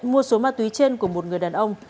mua số ma túy trên của một người đàn ông